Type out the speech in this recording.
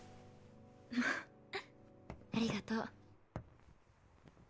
もうありがとう。